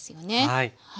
はい。